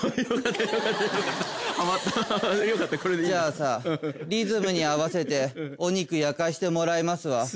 じゃあさリズムに合わせてお肉焼かしてもらいますわ。